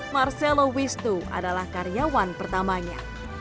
marcelo wisnu adalah karyawan pertamanya